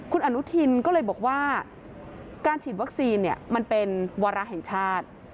คุณอนุทินก็เลยบอกว่าการฉีดวัคซีนมันเป็นวาระแห่งชาติ